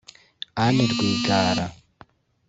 Anne Rwigara